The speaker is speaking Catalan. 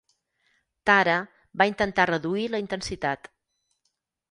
Tara va intentar reduir la intensitat.